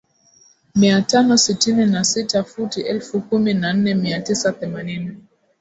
mia tano sitini na sita futi elfu kumi na nne mia tisa themanini